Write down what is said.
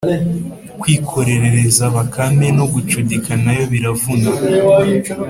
kwikorereza Bakame no gucudika na yo biravuna